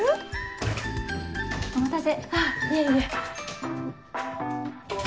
お待たせ。